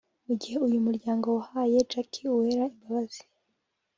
Mu gihe uyu muryango wahaye Jackie Uwera imbabazi